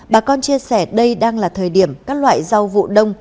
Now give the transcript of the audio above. bà con chia sẻ đây đang là thời điểm các loại rau vụ đông